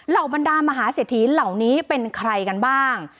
บรรดามหาเศรษฐีเหล่านี้เป็นใครกันบ้าง